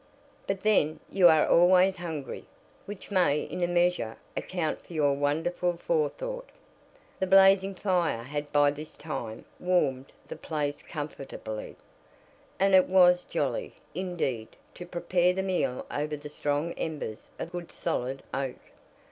But then, you are always hungry, which may, in a measure, account for your wonderful forethought." The blazing fire had by this time warmed the place comfortably, and it was jolly, indeed, to prepare the meal over the strong embers of good solid oak.